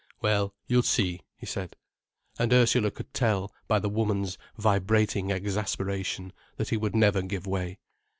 "Well, you'll see," he said. And Ursula could tell, by the woman's vibrating exasperation, that he would never give way.